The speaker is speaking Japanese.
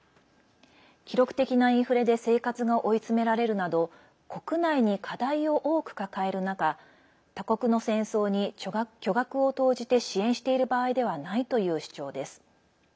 記録的なインフレで生活が追い詰められるなど国内に課題を多く抱える中他国の戦争に巨額を投じて支援している場合ではないという主張です。